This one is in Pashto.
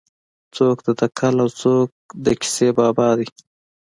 څوک د تکل او څوک د کیسې بابا دی.